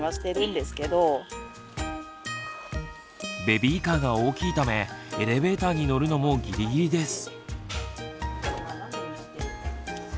ベビーカーが大きいためエレベーターに乗るのもギリギリです。